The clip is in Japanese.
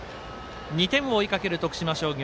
２点を追いかける徳島商業。